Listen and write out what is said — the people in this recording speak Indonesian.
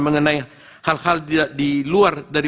mengenai hal hal di luar dari